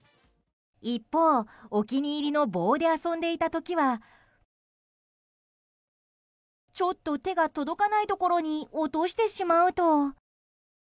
一方、お気に入りの棒で遊んでいた時はちょっと手が届かないところに落としてしまうと。